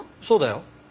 そうだよ。